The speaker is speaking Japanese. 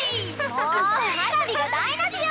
もう花火が台なしよ！